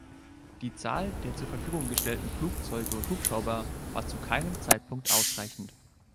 Die Zahl der zur Verfügung gestellten Flugzeuge und Hubschrauber war zu keinem Zeitpunkt ausreichend.